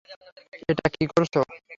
এটা কি করছ?